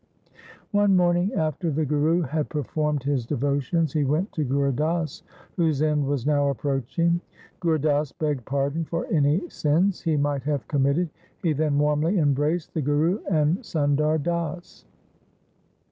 One morning after the Guru had performed his devotions he went to Gur Das, whose end was now approaching. Gur Das begged pardon for any sins he might have committed. He then warmly embraced the Guru and Sundar Das.